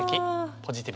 ポジティブ。